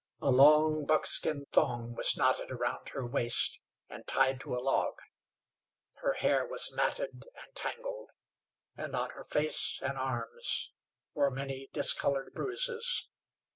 A long buckskin thong was knotted round her waist, and tied to a log. Her hair was matted and tangled, and on her face and arms were many discolored bruises.